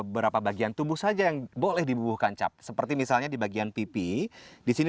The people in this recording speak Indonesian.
berarti ukurnya di sini